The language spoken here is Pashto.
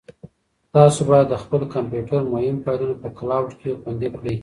تاسو باید د خپل کمپیوټر مهم فایلونه په کلاوډ کې خوندي کړئ.